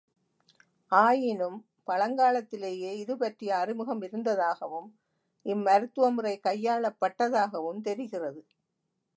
ஆயினும், பழங்காலத்திலேயே இது பற்றிய அறிமுகம் இருந்ததாகவும் இம்மருத்துவமுறை கையாளப் பட்டதாகவும் தெரிகிறது.